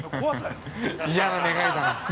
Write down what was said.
◆嫌な願いだな。